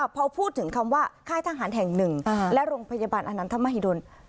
พอพูดถึงคำว่าค่ายทหารแห่งหนึ่งและโรงพยาบาลอนันทมหิดล